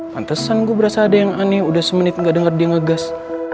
pantesan gue berasa ada yang aneh udah semenit gak dengar dia ngegas